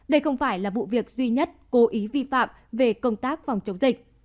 đây không phải là vụ việc duy nhất cố ý vi phạm về công tác phòng chống dịch